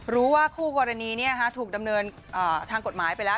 รู้ว่าคู่กรณีถูกดำเนินทางกฎหมายไปแล้ว